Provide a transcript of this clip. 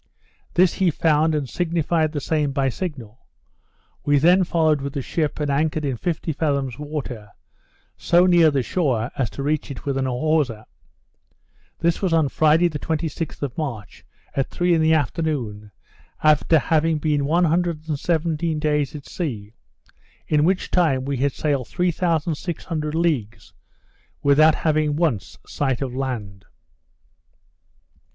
This he found, and signified the same by signal. We then followed with the ship, and anchored in 50 fathoms water, so near the shore as to reach it with an hawser. This was on Friday the 26th of March, at three in the afternoon, after having been 117 days at sea; in which time we had sailed 3600 leagues, without having once sight of land.